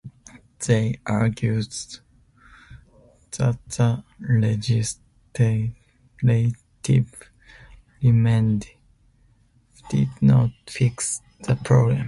They argued that the legislative remedies did not fix the problem.